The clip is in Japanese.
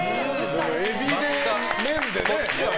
エビで、麺でね。